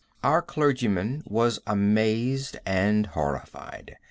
Our clergyman was amazed and horrified.